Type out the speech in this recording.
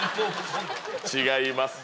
違います。